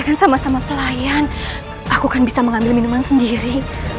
kan sama sama pelayan aku kan bisa mengambil minuman sendiri